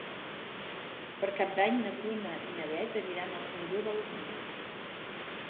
Per Cap d'Any na Bruna i na Beth aniran al Fondó de les Neus.